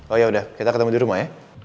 oh yaudah kita ketemu di rumah ya